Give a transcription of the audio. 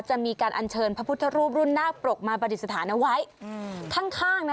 จะมีการอัญเชิญพระพุทธรูปรุ่นนาคปรกมาปฏิสถานเอาไว้ข้างข้างนะ